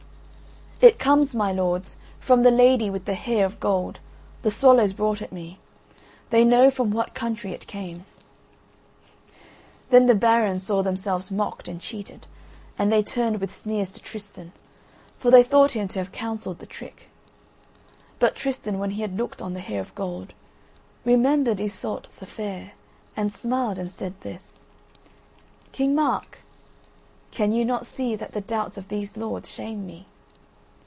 "It comes, my lords, from the Lady with the Hair of Gold, the swallows brought it me. They know from what country it came." Then the barons saw themselves mocked and cheated, and they turned with sneers to Tristan, for they thought him to have counselled the trick. But Tristan, when he had looked on the Hair of Gold, remembered Iseult the Fair and smiled and said this: "King Mark, can you not see that the doubts of these lords shame me?